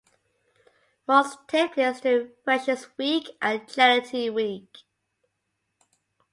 Most take place during Freshers Week and Charity Week.